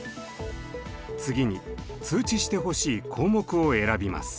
次に通知してほしい項目を選びます。